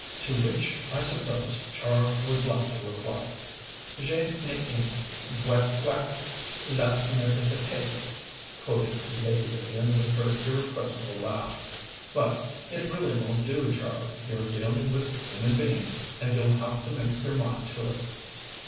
"To which, I suppose, Char would like to reply, 'Je n'en vois pas la nécessité,'" quoted Lady Vivian, with her irrepressible laugh. "But it really won't do, Char. You're dealing with human beings, and you'll have to make up your mind to it."